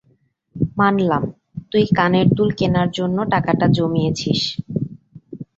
মানলাম, তুই কানের দুল কেনার জন্য টাকাটা জমিয়েছিস।